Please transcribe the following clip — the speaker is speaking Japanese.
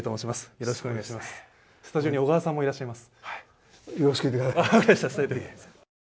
よろしくお願いします。